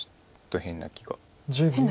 変な気が。